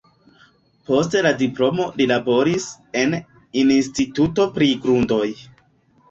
Post la diplomo li laboris en instituto pri grundoj.